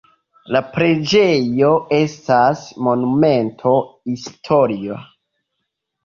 La preĝejo estas Monumento historia.